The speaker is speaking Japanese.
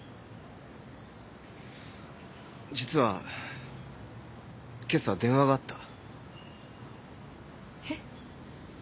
実は今朝電話があった。